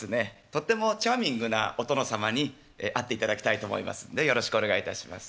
とってもチャーミングなお殿様に会っていただきたいと思いますんでよろしくお願いいたします。